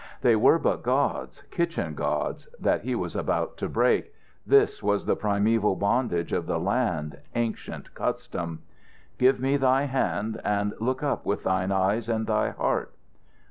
They were but gods, kitchen gods, that he was about to break; this was the primeval bondage of the land, ancient custom. "Give me thy hand and look up with thine eyes and thy heart."